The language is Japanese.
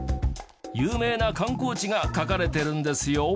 有名な観光地が描かれてるんですよ。